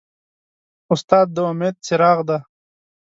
استاد د امید څراغ دی.